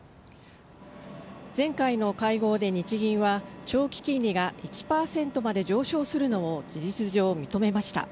前回の会合で日銀は、長期金利が１％まで上昇するのを事実上認めました。